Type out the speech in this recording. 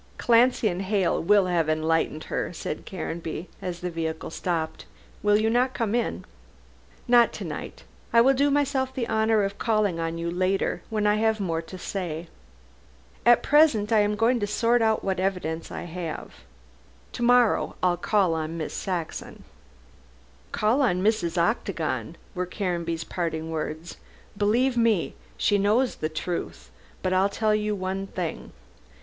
"Clancy and Hale will enlighten her," said Caranby, as the vehicle stopped, "will you not come in?" "Not to night. I will do myself the honor of calling on you later, when I have more to say. At present I am going to sort out what evidence I have. To morrow I'll call on Miss Saxon." "Call on Mrs. Octagon," were Caranby's parting words, "believe me, she knows the truth, but I'll tell you one thing.